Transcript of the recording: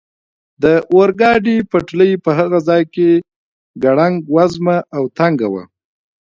د اورګاډي پټلۍ په هغه ځای کې ګړنګ وزمه او تنګه وه.